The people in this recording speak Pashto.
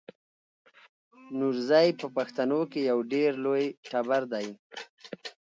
نورزی په پښتنو کې یو ډېر لوی ټبر دی.